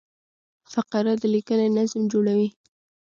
فقره د لیکني نظم جوړوي.